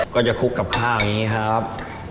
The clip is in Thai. ก็จะคลุกกับข้าวอย่างนี้ครับ